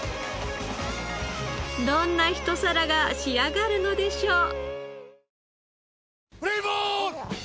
どんな一皿が仕上がるのでしょう？